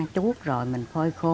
chút rồi mình phơi bánh tráng